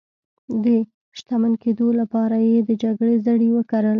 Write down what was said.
د شتمن کېدو لپاره یې د جګړې زړي وکرل.